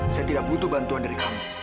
saya tidak butuh bantuan dari kami